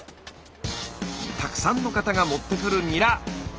たくさんの方が持ってくるニラ。